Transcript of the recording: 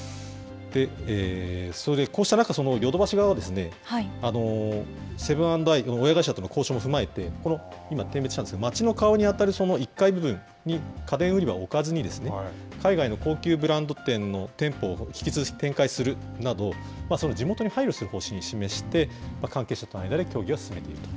それでこうした中、ヨドバシ側は、セブン＆アイ、親会社との交渉も踏まえて、今点滅したんですが、まちの顔に当たる１階部分に家電売り場を置かずに、海外の高級ブランド店の店舗を引き続き展開するなど、地元に配慮する方針を示して、なるほど。